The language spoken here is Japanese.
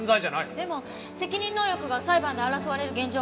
でも責任能力が裁判で争われる現状からみても。